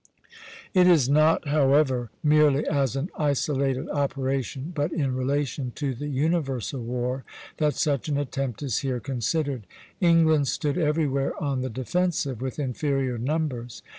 It is not, however, merely as an isolated operation, but in relation to the universal war, that such an attempt is here considered. England stood everywhere on the defensive, with inferior numbers.